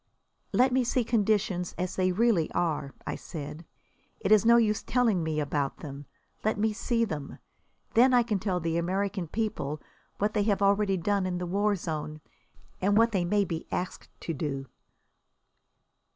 "Let me see conditions as they really are," I said. "It is no use telling me about them. Let me see them. Then I can tell the American people what they have already done in the war zone, and what they may be asked to do."